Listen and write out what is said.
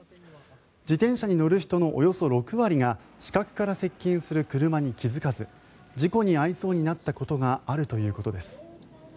自転車に乗る人のおよそ６割が死角から接近する車に気付かず事故に遭いそうになったことがあるということです。